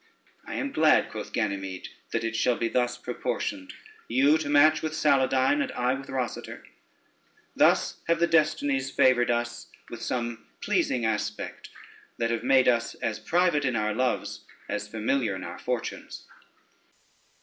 ] "I am glad," quoth Ganymede, "that it shall be thus proportioned, you to match with Saladyne, and I with Rosader: thus have the Destinies favored us with some pleasing aspect, that have made us as private in our loves, as familiar in our fortunes."